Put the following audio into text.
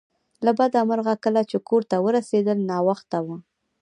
له بده مرغه کله چې کور ته ورسیدل ناوخته و